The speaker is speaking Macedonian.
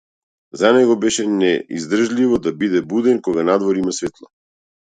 За него беше неиздржливо да биде буден кога надвор има светло.